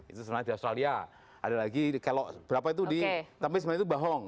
itu sebenarnya di australia ada lagi kelok berapa itu di tapi sebenarnya itu bohong